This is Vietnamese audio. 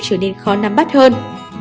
trở nên khó nắm bắt hơn